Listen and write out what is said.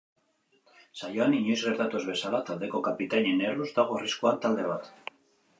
Saioan inoiz gertatu ez bezala, taldeko kapitainen erruz dago arriskuan talde bat.